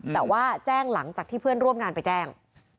แต่ว่าแจ้งหลังจากที่เพื่อนร่วมงานไปแจ้ง